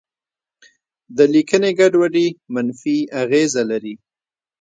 د لیکنې ګډوډي منفي اغېزه لري.